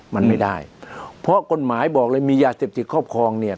มันไม่ได้เพราะกฎหมายบอกเลยมียาเสพติดครอบครองเนี่ย